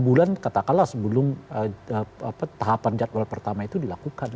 enam bulan katakanlah sebelum tahapan jadwal pertama itu dilakukan